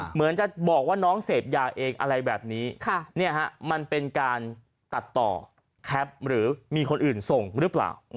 เหมือนจะบอกว่าน้องเสพยาเองอะไรแบบนี้มันเป็นการตัดต่อแคปหรือมีคนอื่นส่งหรือเปล่า